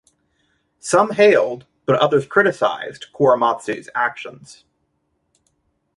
Some hailed, but others criticized, Korematsu's actions.